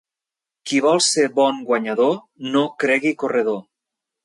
Qui vol ser bon guanyador no cregui corredor.